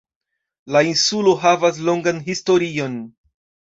La insulo havas longan historion.